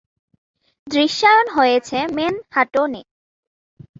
দৃশ্যায়ন হয়েছে ম্যানহাটনে।